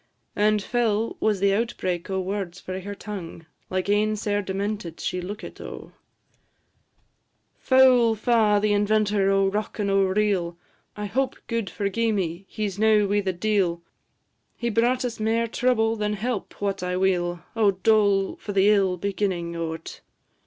And fell was the outbreak o' words frae her tongue; Like ane sair demented she lookit, O! "Foul fa' the inventor o' rock and o' reel! I hope, gude forgi'e me! he 's now wi' the d l, He brought us mair trouble than help, wot I weel; O dole for the ill beginnin' o't!